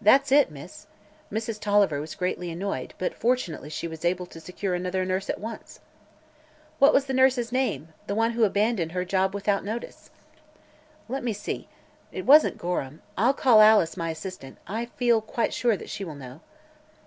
"That's it, miss. Mrs. Tolliver was greatly annoyed, but fortunately she was able to secure another nurse at once." "What was the nurse's name the one who abandoned her job without notice?" "Let me see. It wasn't Gorham. I'll call Alice, my assistant; I feel quite sure that she will know."